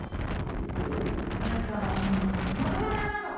マイカいまおなかがならなかった？